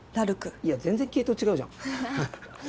いや全然系統違うじゃん。